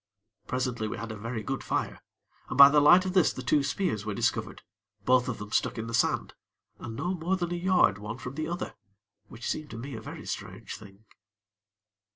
Presently, we had a very good fire, and by the light of this the two spears were discovered, both of them stuck in the sand, and no more than a yard one from the other, which seemed to me a very strange thing.